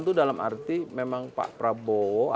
itu dalam arti memang pak prabowo